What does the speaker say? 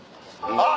あっ！